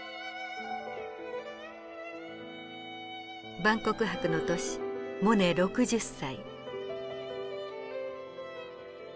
万国博の年モネ６０歳。